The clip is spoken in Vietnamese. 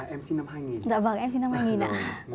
em sinh năm hai nghìn